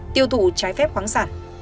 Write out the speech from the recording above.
tiêu thụ trái phép khoáng sản